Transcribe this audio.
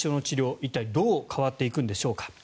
一体どう変わっていくんでしょうか。